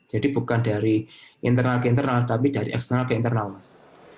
jadi bukan dari internal ke internal tapi dari eksternal ke internal mas